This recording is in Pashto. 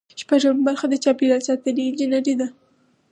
شپږمه برخه د چاپیریال ساتنې انجنیری ده.